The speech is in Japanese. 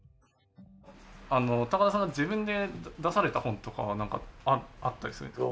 あの高田さんは自分で出された本とかはなんかあったりするんですか？